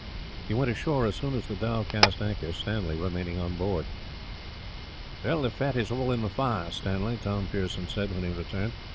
He went ashore as soon as the dhow cast anchor, Stanley remaining on board. "The fat is all in the fire, Stanley," Tom Pearson said, when he returned.